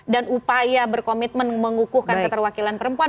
dan upaya berkomitmen mengukuhkan keterwakilan perempuan